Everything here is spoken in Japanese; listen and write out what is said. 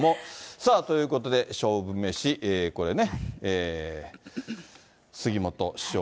さあ、ということで勝負メシ、これね。